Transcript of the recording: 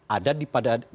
ada di pada dari